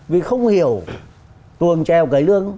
vì không hiểu tuồng trèo cầy lương